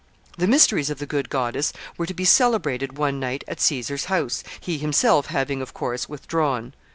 ] The mysteries of the Good Goddess were to be celebrated one night at Caesar's house, he himself having, of course, withdrawn.